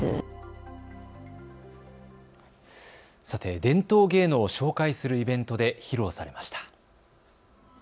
さて、伝統芸能を紹介するイベントで披露されました。